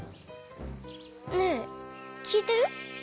ねえきいてる？